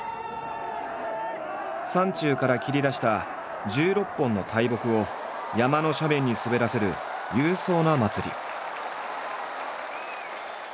山中から切り出した１６本の大木を山の斜面に滑らせる勇壮な祭り。